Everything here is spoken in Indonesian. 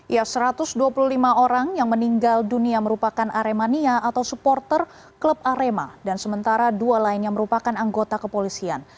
ya satu ratus dua puluh lima orang yang meninggal dunia merupakan aremania atau supporter klub arema dan sementara dua lainnya merupakan anggota kepolisian